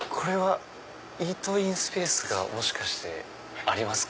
イートインスペースがもしかしてありますか？